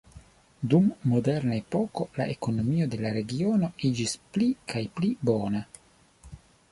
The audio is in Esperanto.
Dum Moderna epoko la ekonomio de la regiono iĝis pli kaj pli bona.